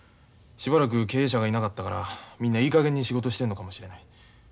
しばらく経営者がいなかったからみんないいかげんに仕事してるのかもしれない。